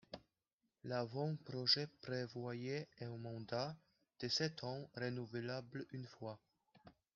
L'avant-projet prévoyait un mandat de sept ans renouvelable une fois.